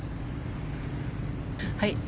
はい。